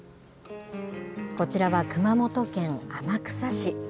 こちらは熊本県天草市。